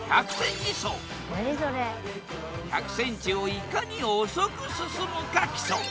１００ｃｍをいかに遅く進むか競う。